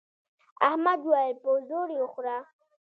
احمد وويل: په زور یې وخوره.